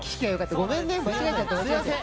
ごめんね。